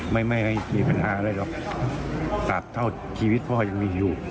ไม่มีปัญหาหรอกสาบเท่าชีวิตพ่อยังมีอยู่